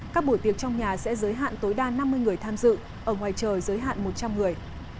các buổi tiệc trong nhà sẽ giới hạn tối đa năm mươi người tham dự ở ngoài trời giới hạn một trăm linh người